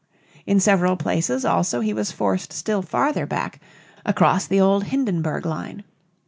In several places also he was forced still farther back, across the old Hindenburg line.